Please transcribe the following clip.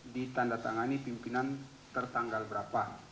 ditandatangani pimpinan tertanggal berapa